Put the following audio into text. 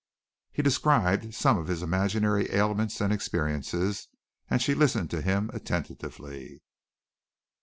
He described some of his imaginary ailments and experiences and she listened to him attentively.